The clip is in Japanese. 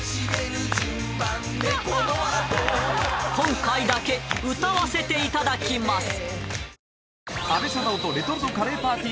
今回だけ歌わせていただきます